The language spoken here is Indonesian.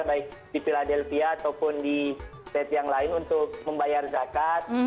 baik di philadelphia ataupun di set yang lain untuk membayar zakat